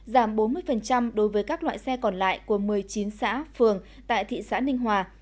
giảm bốn mươi đối với các loại xe còn lại của một mươi chín xã phường tại thị xã ninh hòa